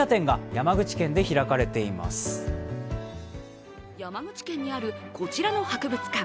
山口県にあるこちらの博物館。